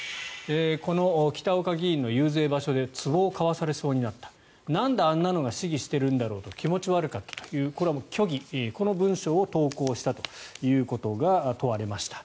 この北岡議員の遊説場所でつぼを買わされそうになったなんであんなのが市議してるんだろうと気持ち悪かったというこれはもう虚偽この文章を投稿したということが問われました。